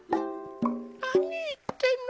なにいってんの？